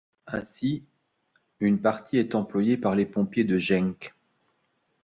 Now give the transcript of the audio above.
Ainsi, une partie est employée par les pompiers de Genk.